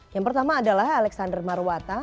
yang pertama adalah alexander marwata